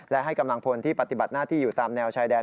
และให้กำลังพลที่ปฏิบัติหน้าที่อยู่ตามแนวชายแดน